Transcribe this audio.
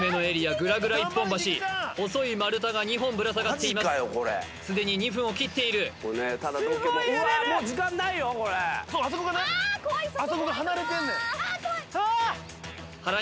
グラグラ一本橋細い丸太が２本ぶら下がっています既に２分を切っているそうあそこがねあそこが離れてんねんああ怖いああっ！